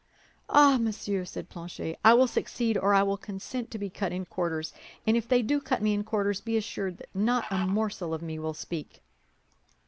"Ah, monsieur," said Planchet, "I will succeed or I will consent to be cut in quarters; and if they do cut me in quarters, be assured that not a morsel of me will speak."